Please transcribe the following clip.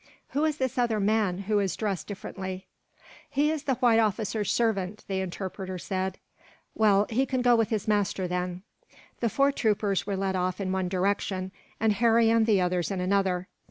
"Who is this other man, who is dressed differently?" "He is the white officer's servant," the interpreter said. "Well, he can go with his master, then." The four troopers were led off in one direction, and Harry and the others in another.